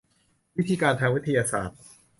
วิธีการทางวิทยาศาสตร์